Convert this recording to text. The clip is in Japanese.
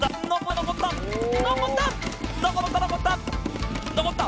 のこった！